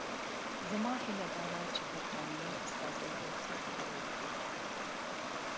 زما هیله دا ده چې د برټانیې استازي یو څه صبر وکړي.